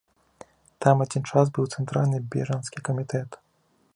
Там адзін час быў цэнтральны бежанскі камітэт.